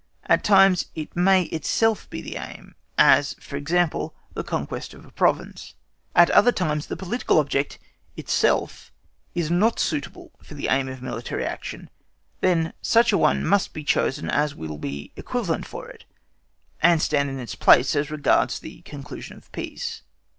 At times it may itself be that aim, as, for example, the conquest of a province. At other times the political object itself is not suitable for the aim of military action; then such a one must be chosen as will be an equivalent for it, and stand in its place as regards the conclusion of peace.